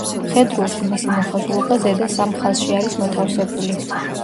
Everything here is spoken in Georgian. მხედრულში მისი მოხაზულობა ზედა სამ ხაზში არის მოთავსებული.